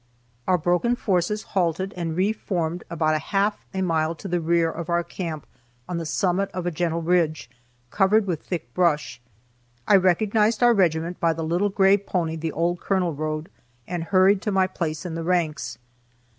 Our broken forces halted and re formed about half a mile to the rear of our camp on the summit of a gentle ridge, covered with thick brush. I recognized our regiment by the little gray pony the old colonel rode, and hurried to my place in the ranks.